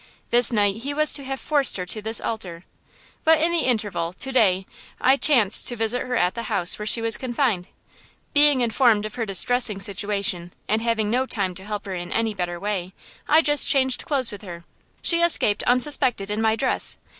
This night he was to have forced her to this altar! But in the interval, to day, I chanced to visit her at the house where she was confined. Being informed by her of her distressing situation, and having no time to help her in any better way, I just changed clothes with her. She escaped unsuspected in my dress.